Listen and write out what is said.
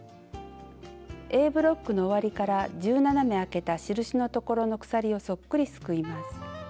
Ａブロックの終わりから１７目あけた印のところの鎖をそっくりすくいます。